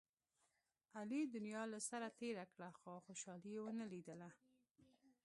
علي دنیا له سره تېره کړه، خو خوشحالي یې و نه لیدله.